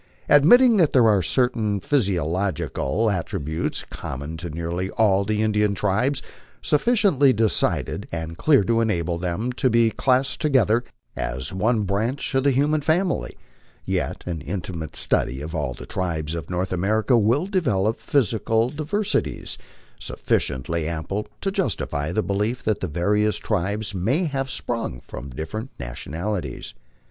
Admitting that there are certain physiological at tributes common to nearly all the Indian tribes, sufficiently decided and clear to enable them to be classed together as one branch of the human family, yet an intimate study of all the tribes of North America will develop physical di versities sufficiently ample to justify the belief that the various tribes may have sprung from different nationalities.